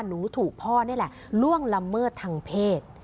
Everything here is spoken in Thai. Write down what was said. หนูถูกพ่อนี่แหละล่วงละเมิดทางเพศ